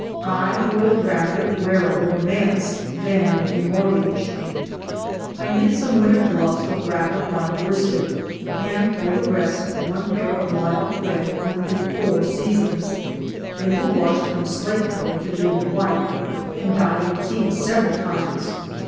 I would rather wear a romance than a mort gage. I knit some winter gloves of ravelled black worsted, and for the rest, one pair of Lisle thread went through four sea sons ; they were washed from slate color to dirty white, and dyed in tea several times.